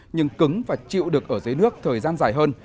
nhưng cứng và chịu được ở dưới nước thời gian dài hơn